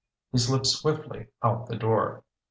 He slipped swiftly out the door.